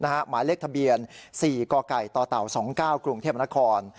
หมายเลขทะเบียน๔กกต๒๙กรุงเทพนคร